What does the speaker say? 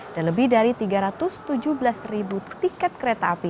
dan lebih dari tiga ratus tujuh belas tiket kereta api